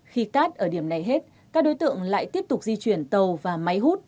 khi cát ở điểm này hết các đối tượng lại tiếp tục di chuyển tàu và máy hút